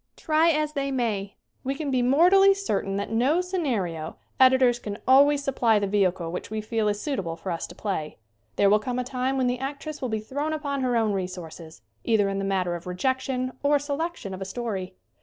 Try as they may, we can be mortally certain that no scenario editors can always supply the vehicle which we feel is suitable for us to play. There will come a time when the actress will be thrown upon her own resources, either in the matter of re jection or selection of a story.